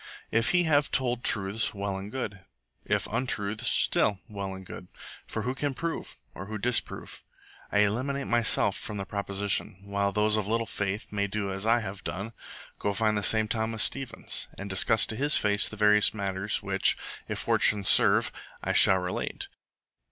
If he have told truths, well and good; if untruths, still well and good. For who can prove? or who disprove? I eliminate myself from the proposition, while those of little faith may do as I have done go find the same Thomas Stevens, and discuss to his face the various matters which, if fortune serve, I shall relate.